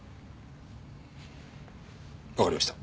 わかりました。